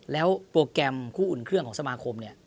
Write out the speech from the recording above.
แล้วโปรแกรมคู่อุ่นเครื่องของสมาคมเนี่ย